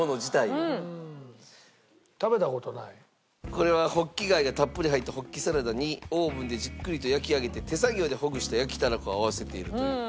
これはホッキ貝がたっぷり入ったホッキサラダにオーブンでじっくりと焼き上げて手作業でほぐした焼きたらこを合わせているという。